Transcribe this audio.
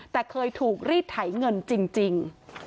แต่เคยถูกรีดไถเงินจริง